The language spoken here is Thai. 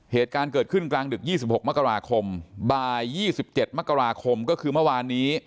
เหตุการณ์เกิดขึ้นกลางดึก๒๖มกราคมบ่าย๒๗มกราคมก็คือเมื่อวานนี้